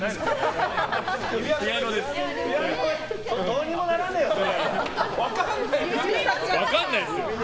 どうにもならねえよ、それ！